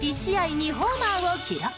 ２ホーマーを記録。